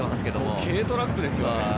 軽トラックですよね。